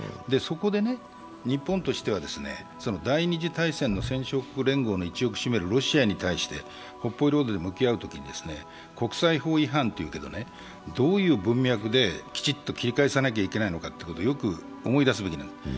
そこで日本としては、第二次大戦の戦勝国の一翼を占めるロシアに対して北方領土で向き合うときに国際法違反というけど、どういう文脈できちっと切り返さなきゃいけないかということをよく思い出すべきなんです。